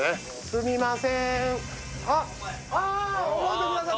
すみませーん。